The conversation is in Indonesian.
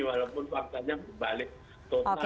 walaupun faktanya berbalik total